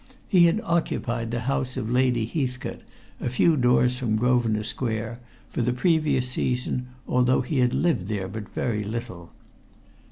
He had occupied the house of Lady Heathcote, a few doors from Grosvenor Square, for the previous season, although he had lived there but very little.